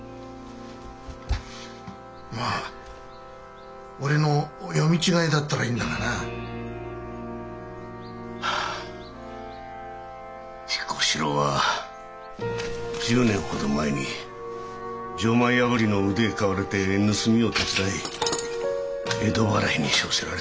まあ俺の読み違いだったらいいんだがなぁ。彦四郎は１０年ほど前に錠前破りの腕買われて盗みを手伝い江戸払いに処せられた。